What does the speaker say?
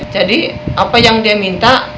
jadi apa yang dia minta